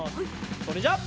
それじゃあ。